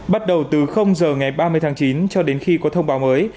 bắt đầu từ giờ ngày ba mươi tháng chín cho đến khi có thông báo mới